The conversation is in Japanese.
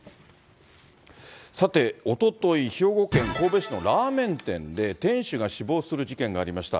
さて、おととい、兵庫県神戸市のラーメン店で、店主が死亡する事件がありました。